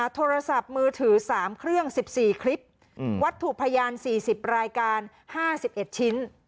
โทรศัพท์มือถือสามเครื่องสิบสี่คลิปอืมวัดถูกพยานสี่สิบรายการห้าสิบเอ็ดชิ้น